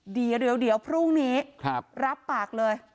เดี๋ยวพรุ่งนี้รับปากเลย